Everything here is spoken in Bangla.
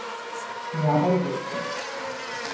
আমি আবারো বলছি!